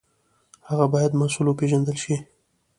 هغه باید مسوول وپېژندل شي.